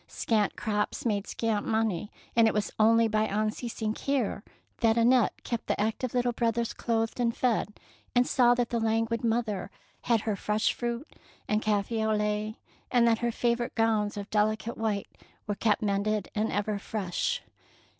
Scant crops made scant money, and it was only by unceasing care that Annette kept the active little brothers clothed and fed, and saw that the languid mother 200 THE PEAKL NECKLACE had her fresh fruit and cafe au lait, and that her favourite gowns of delicate white were kept mended and ever fresh.